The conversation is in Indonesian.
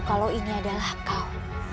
kalau ini adalah kau